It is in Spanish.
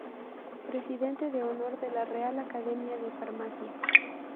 Presidente de Honor de la Real Academia de Farmacia.